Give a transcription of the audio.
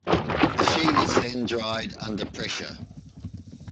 The sheet is then dried under pressure.